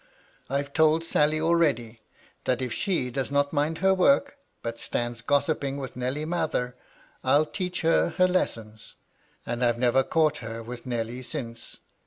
I've told Sally already, that if she does not mind her work, but stands gossiping with Nelly Mather, I'll teach her her lessons ; and I've never caught her with old Nelly since."